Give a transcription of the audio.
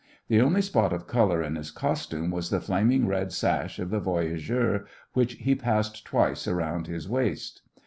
The only spot of colour in his costume was the flaming red sash of the voyageur which he passed twice around his waist.